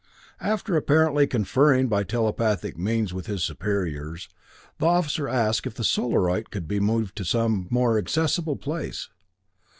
After apparently conferring by telepathic means with his superiors, the officer asked if the Solarite could be moved to some more accessible place.